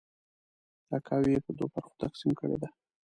تاکاوی یې په دوه برخو تقسیم کړې ده.